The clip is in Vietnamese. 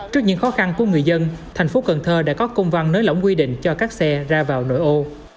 trước những khó khăn của người dân tp hcm đã có công văn nới lỏng quy định cho các xe ra vào nội ô